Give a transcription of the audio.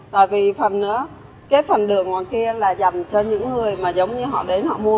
bởi vì phần nữa cái phần đường còn kia là dành cho những người mà giống như họ đến họ mua